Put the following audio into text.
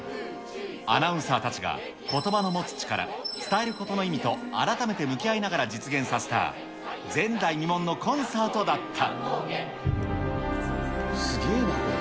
アナウンサーたちがことばの持つ力、伝えることの意味と改めて向き合いながら実現させた、前代未聞のコンサートだった。